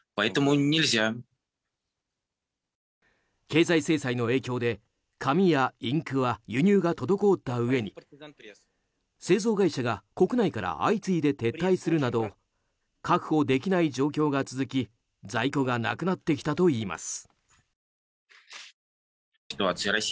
経済制裁の影響で紙やインクは輸入が滞ったうえに製造会社が国内から相次いで撤退するなど確保できない状況が続き、在庫がなくなってきたといいます。